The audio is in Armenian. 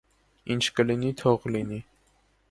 Ինչ կլինի, թող լինի: